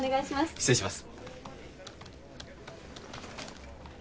失礼します。